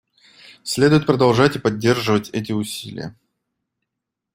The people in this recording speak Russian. Следует продолжать и поддерживать эти усилия.